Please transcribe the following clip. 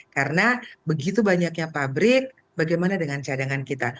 karena begitu banyaknya pabrik bagaimana dengan cadangan kita